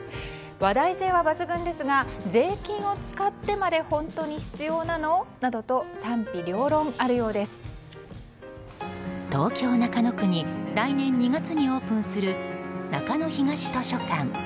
話題性は抜群ですが税金を使ってまで本当に必要なの？などと東京・中野区に来年２月にオープンする中野東図書館。